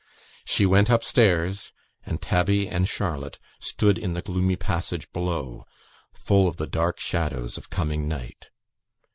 She went upstairs, and Tabby and Charlotte stood in the gloomy passage below, full of the dark shadows of coming night.